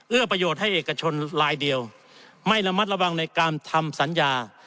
ประโยชน์ให้เอกชนลายเดียวไม่ระมัดระวังในการทำสัญญา